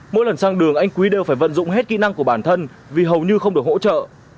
mỗi lần sang đường anh quý đều phải vận dụng hết kỹ năng của bản thân vì hầu như không được hỗ trợ